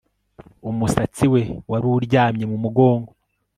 Umusatsi we wari uryamye mu mugongo